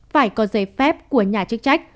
phải có giấy phép của nhà chức trách